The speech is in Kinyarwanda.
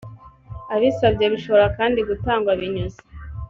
abisabye bishobora kandi gutangwa binyuze